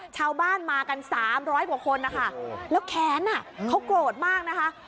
ชาวบ้านมากัน๓๐๐กว่าคนแล้วแขนเขากรวดมาก